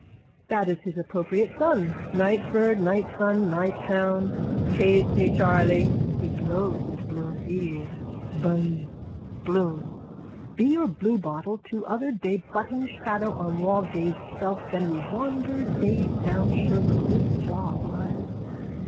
That is his appropriate sun. Nightbird nightsun nighttown. Chase me, Charley! (He blows into Bloom's ear.) Buzz! BLOOM: Bee or bluebottle too other day butting shadow on wall dazed self then me wandered dazed down shirt good job I...